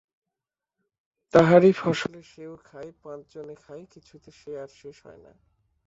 তাহারই ফসলে সেও খায়, পাঁচজনে খায়, কিছুতে সে আর শেষ হয় না।